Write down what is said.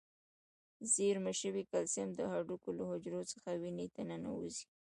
زیرمه شوي کلسیم د هډوکو له حجرو څخه وینې ته ننوزي.